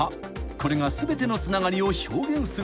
［これが全てのつながりを表現するという］